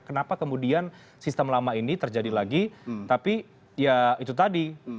kenapa kemudian sistem lama ini terjadi lagi tapi ya itu tadi